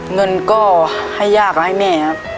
เงินก็ให้ยากให้แม่ครับ